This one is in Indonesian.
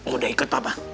udah ikut papa